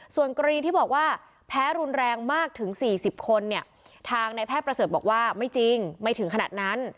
ส่วนกรณีที่บอกว่าแพ้รุนแรงมากถึง๔๐คนเนี่ยทางนายแพทย์ประเสริฐบอกว่าไม่จริงไม่ถึงขนาดนั้น